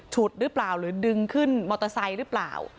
หรือเปล่าหรือดึงขึ้นมอเตอร์ไซค์หรือเปล่า